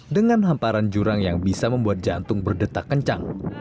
dengan hamparan jurang yang bisa membuat jantung berdetak kencang